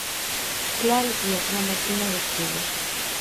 Claro tío, la máquina de escribir.